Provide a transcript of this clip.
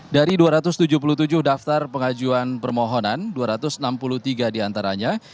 dari dua ratus tujuh puluh tujuh daftar pengajuan permohonan dua ratus enam puluh tiga diantaranya